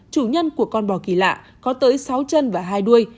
chủ nhân của con bò kỳ lạ có tới sáu chân và hai đuôi